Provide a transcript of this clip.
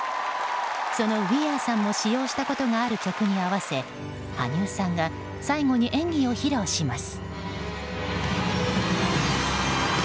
そのウィアーさんも使用したことがある曲に合わせ羽生さんが最後に演技を披露します。